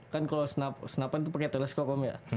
kan kalau snap an itu pakai teleskop ya